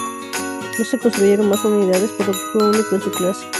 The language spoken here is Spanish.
No se construyeron mas unidades por lo que fue único en su clase.